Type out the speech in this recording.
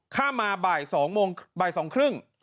ข้ามมาบ่าย๒โมงบ่าย๒๓๐